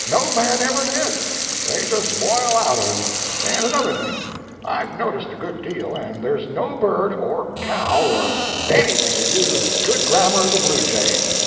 No man ever did. They just boil out of him! And another thing: I've noticed a good deal, and there's no bird, or cow, or anything that uses as good grammar as a bluejay.